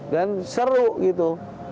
dan seru gitu